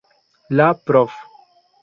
La Prof.